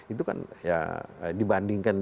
itu kan ya dibandingkan